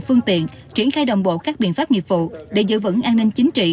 phương tiện triển khai đồng bộ các biện pháp nghiệp vụ để giữ vững an ninh chính trị